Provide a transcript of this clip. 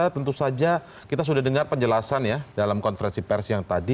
tentu saja kita sudah dengar penjelasan ya dalam konferensi pers yang tadi